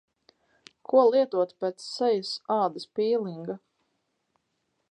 Ko lietot pēc sejas ādas pīlinga?